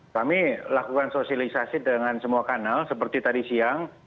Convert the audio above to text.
kami lakukan sosialisasi dengan semua kanal seperti tadi siang